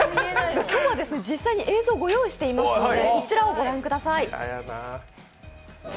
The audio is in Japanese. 今日は実際に映像をご用意していますので御覧ください。